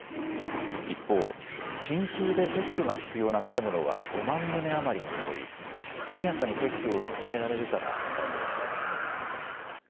一方、緊急で撤去が必要な建物は５万棟余りに上り速やかに撤去を進められるかが課題となっています。